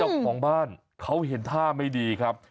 เจ้าของบ้านเขาเห็นท่าไม่ดีครับ